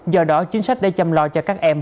do đó chính sách để chăm lo cho các em